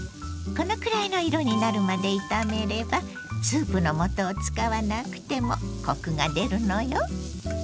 このくらいの色になるまで炒めればスープのもとを使わなくてもコクが出るのよ。